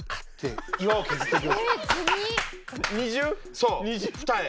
そう二重。